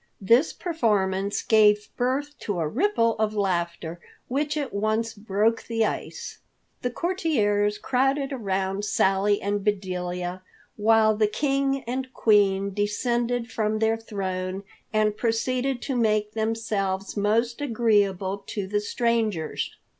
This performance gave birth to a ripple of laughter, which at once broke the ice. The courtiers crowded around Sally and Bedelia, while the King and Queen descended from their throne and proceeded to make themselves most agreeable to the strangers.